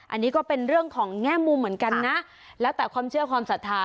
อันนี้ก็เป็นเรื่องของแง่มุมเหมือนกันนะแล้วแต่ความเชื่อความศรัทธา